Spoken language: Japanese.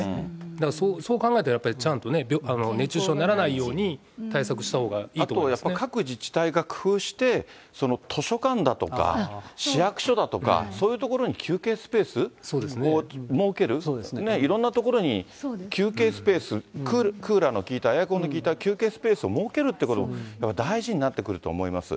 だから、そう考えたら、やっぱりちゃんとね、熱中症にならないように、あと、各自治体が工夫して、図書館だとか、市役所だとか、そういう所に休憩スペースを設ける、いろんな所に休憩スペース、クーラーの効いた、エアコンの効いた休憩スペースを設けるっていうことも大事になってくると思います。